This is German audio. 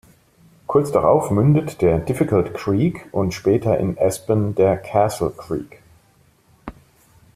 Kurz darauf mündet der "Difficult Creek" und später in Aspen der "Castle Creek".